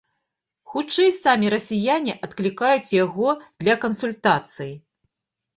Хутчэй самі расіяне адклікаюць яго для кансультацый.